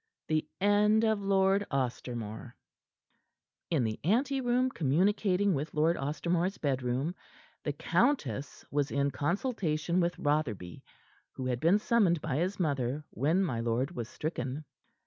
THE END OF LORD OSTERMORE In the ante room communicating with Lord Ostermore's bedroom the countess was in consultation with Rotherby, who had been summoned by his mother when my lord was stricken.